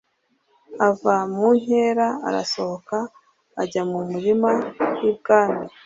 ava mu nkera arasohoka ajya mu murima w ibwami